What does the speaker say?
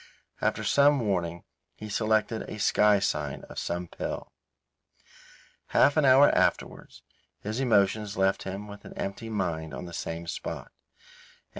After some warning, he selected a sky sign of some pill. Half an hour afterwards his emotions left him with an emptied mind on the same spot.